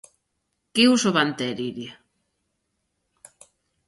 Que uso van ter, Iria?